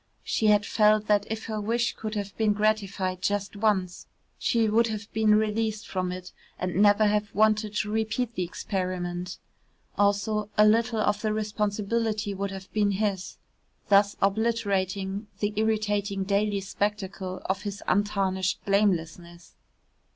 She had felt that if her wish could have been gratified just once, she would have been released from it and never have wanted to repeat the experiment. Also a little of the responsibility would have been his thus obliterating the irritating daily spectacle of his untarnished blamelessness.